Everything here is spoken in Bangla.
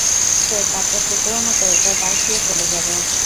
সে কাঁচের টুকরোর মতো এটার পাশ দিয়ে চলে যাবে।